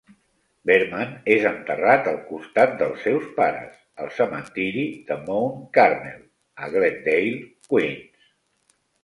Berman és enterrat al costat dels seus pares al cementiri de Mount Carmel, a Glendale, Queens.